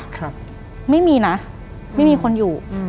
ครับไม่มีนะไม่มีคนอยู่อืม